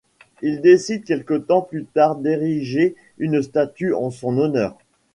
Il décide quelque temps plus tard d’ériger une statue en son honneur.